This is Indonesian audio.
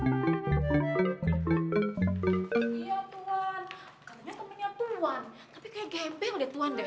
iya tuan katanya temennya tuan tapi kayak gembel deh tuan deh